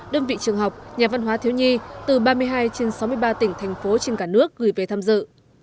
đơn vị trường học nhà văn hóa thiếu nhi từ ba mươi hai trên sáu mươi ba tỉnh thành phố trên cả nước gửi về tham dự